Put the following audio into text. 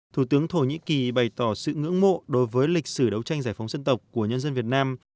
thủ tướng thổ nhĩ kỳ bày tỏ sự ngưỡng mộ đối với lịch sử đấu tranh giải phóng dân tộc của nhân dân việt nam